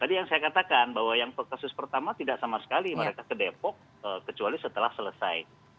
tadi yang saya katakan bahwa yang kasus pertama tidak sama sekali mereka ke depok kecuali setelah selesai